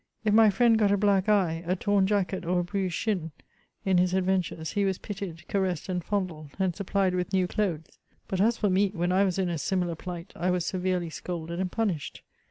If my friend got a black eye, a torn jacket, or a bruised shin, in his adventures, he was pitied, caressed, and fondled, and supplied with new clothes ; but, as for me, when I was in a similar plight, I was severely scolded and punished.